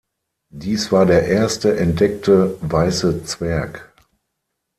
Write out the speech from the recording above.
Dies war der erste entdeckte Weiße Zwerg.